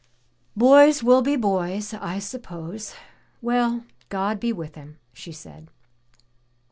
"Boys will be boys, I suppose. Well, God be with him," she said.